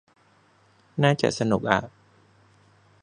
น่าจะสนุกอ่ะ